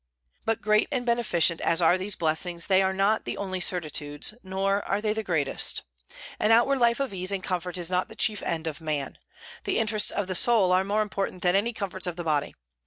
But great and beneficent as are these blessings, they are not the only certitudes, nor are they the greatest. An outward life of ease and comfort is not the chief end of man. The interests of the soul are more important than any comforts of the body.